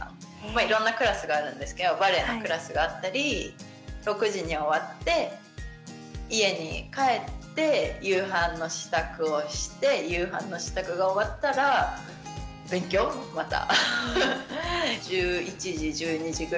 いろんなクラスがあるんですけどバレエのクラスがあったり６時に終わって家に帰って夕飯の支度をして夕飯の支度が終わったら勉強また。